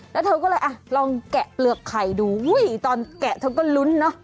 แล้วเธอก็เลยอ่ะลองแกะเปลือกไข่ดูอุ้ยตอนแกะเธอก็ลุ้นเนอะ